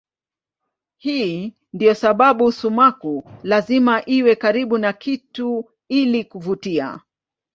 Hii ndiyo sababu sumaku lazima iwe karibu na kitu ili kuvutia.